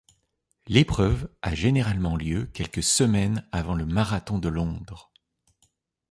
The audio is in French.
L'épreuve a généralement lieu quelques semaines avant le marathon de Londres.